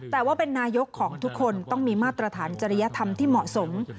แต่ว่าเป็นนายกของทุกคนต้องมีมาตรฐานจริยธรรมที่เหมาะสม